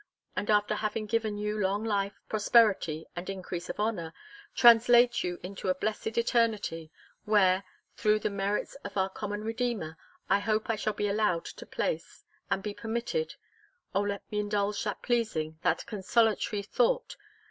And after having given you long life, prosperity, and increase of honour, translate you into a blessed eternity, where, through the merits of our common Redeemer, I hope I shall be allowed a place, and be permitted (O let me indulge that pleasing, that consolatory thought!)